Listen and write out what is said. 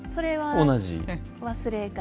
同じ？